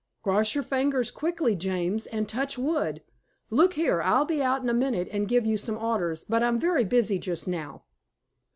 "Cross your fingers quickly, James, and touch wood. Look here, I'll be out in a minute and give you some orders, but I'm very busy just now."